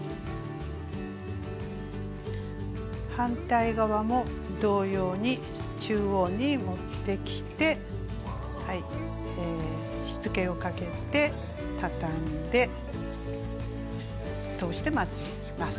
反対側も同様に中央に持ってきてしつけをかけてたたんで通してまつります。